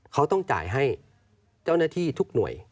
เขาต้องจ่ายให้เจ้าหน้าที่ทุกหน่วย